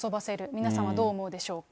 皆さんはどう思うでしょうか。